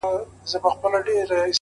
گـــډ وډ يـهـــوديـــان؛